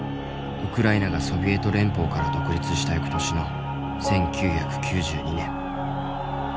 ウクライナがソビエト連邦から独立した翌年の１９９２年。